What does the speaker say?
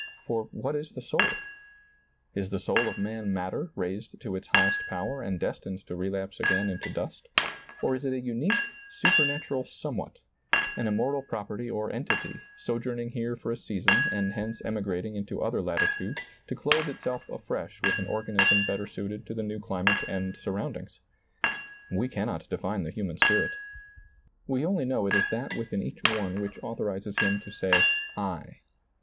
For what is the soul ? Is the soul of man matter raised to its highest power and destined to relapse again into dust ? Or is it a unique, supernatural somewhat, an immortal property or entity, sojourn ing here for a season and hence emigrating into other latitudes to clothe itself afresh with an organism better suited to the new climate and surroundings? We cannot define the human spirit. We only know it is that within each one which authorizes him to say I.